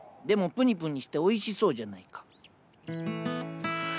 でもプニプニしておいしそうじゃないか。